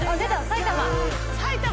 埼玉。